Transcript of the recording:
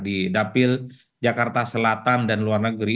di dapil jakarta selatan dan luar negeri